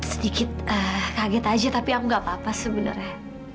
sedikit kaget aja tapi aku gak apa apa sebenarnya